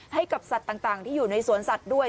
ให้กับสัตว์ต่างที่อยู่ในสวนสัตว์ด้วย